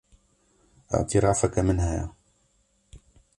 Îtirafeke min heye.